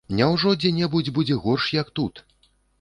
Няўжо дзе-небудзь будзе горш, як тут?